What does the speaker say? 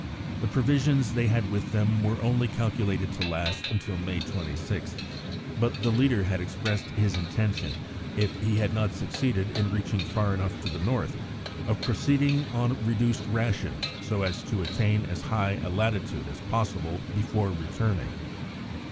The provisions they had with them were only calculated to last until May 26, but the leader had expressed his intention, if he had not succeeded in reaching far enough to the north, of proceeding on reduced rations so as to attain as high a latitude as possible before returning.